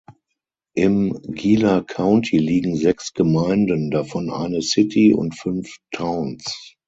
Im Gila County liegen sechs Gemeinden, davon eine "City" und fünf "Towns".